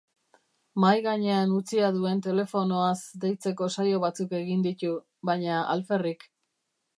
Mahai gainean utzia duen telefonoaz deitzeko saio batzuk egin ditu, baina alferrik.